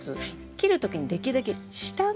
切る時にできるだけ下側。